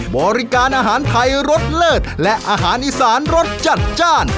บริการอาหารไทยรสเลิศและอาหารอีสานรสจัดจ้าน